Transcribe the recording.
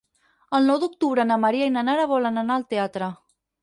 El nou d'octubre na Maria i na Nara volen anar al teatre.